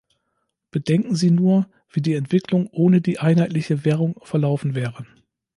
Bedenken Sie nur, wie die Entwicklung ohne die einheitliche Währung verlaufen wäre.